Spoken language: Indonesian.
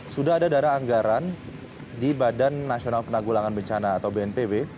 sudah ada dana anggaran di badan nasional penanggulangan bencana atau bnpb